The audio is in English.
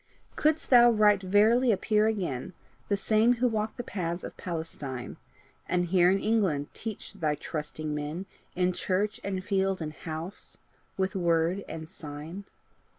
Couldst thou right verily appear again, The same who walked the paths of Palestine, And here in England teach thy trusting men, In church and field and house, with word and sign?